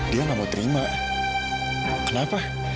dia gak mau terima kenapa